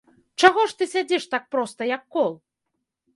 Чаго ж ты сядзіш так проста, як кол?